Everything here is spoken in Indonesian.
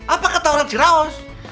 apa ketawaran si raos